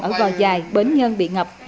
ở vò dài bến nhân bị ngập